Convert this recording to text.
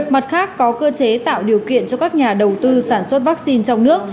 mặt khác có cơ chế tạo điều kiện cho các nhà đầu tư sản xuất vaccine trong nước